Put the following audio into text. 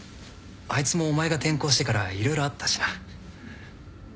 いつもお前が転校してから色々あったしな。